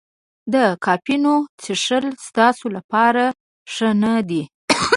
د کافینو څښل ستاسو لپاره ښه نه دي.